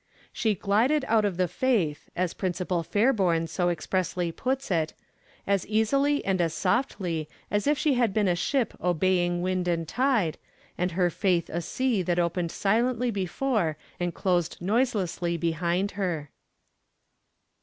'She glided out of the faith,' as Principal Fairbairn so expressively puts it, 'as easily and as softly as if she had been a ship obeying wind and tide, and her faith a sea that opened silently before and closed noiselessly behind her.'